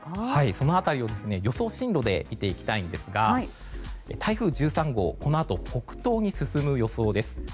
その辺りを、予想進路で見ていきたいんですが台風１３号このあと北東に進む予想です。